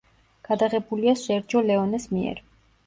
გადაღებულია სერჯო ლეონეს მიერ.